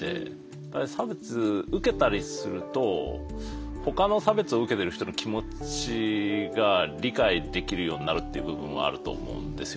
差別受けたりするとほかの差別を受けてる人の気持ちが理解できるようになるっていう部分はあると思うんですよね。